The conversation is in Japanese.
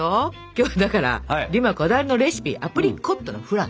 今日はだからデュマこだわりのレシピアプリコットのフランね。